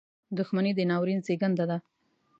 • دښمني د ناورین زیږنده ده.